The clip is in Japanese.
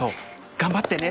頑張ってね！